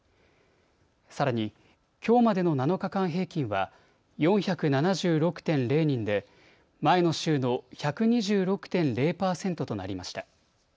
さらに、きょうまでの７日間平均は４７６．０人で前の週の１２６．０％となりました。